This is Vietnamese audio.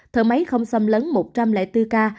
thở máy không xâm lấn một trăm linh bốn k